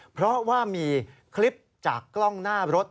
เพราะว่ามีคลิปจากกล้องหน้ารถ